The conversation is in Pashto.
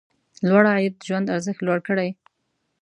لوړ عاید ژوند ارزښت لوړ کړي.